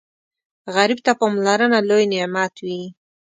غریب ته پاملرنه لوی نعمت وي